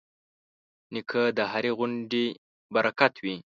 نیکه د هرې غونډې برکت وي.